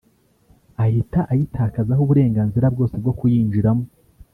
ahita ayitakazaho uburenganzira bwose bwo kuyinjiramo